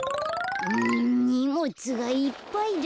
うんにもつがいっぱいだ。